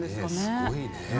すごいね。